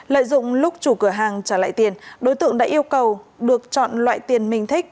lợi dụng lúc chủ cửa hàng trả lại tiền đối tượng đã yêu cầu được chọn loại tiền mình thích